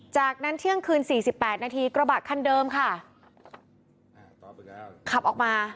จากนั้นเที่ยงคืนสี่สิบแปดนาทีกระบะคันเดิมค่ะขับออกมา